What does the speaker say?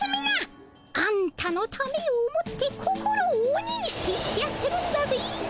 あんたのためを思って心を鬼にして言ってやってるんだぜ。